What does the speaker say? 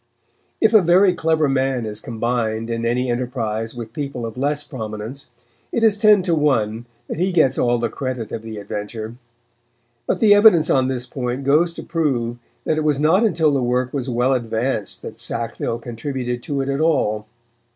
If a very clever man is combined in any enterprise with people of less prominence, it is ten to one that he gets all the credit of the adventure. But the evidence on this point goes to prove that it was not until the work was well advanced that Sackville contributed to it at all.